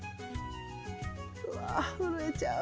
うわ震えちゃう。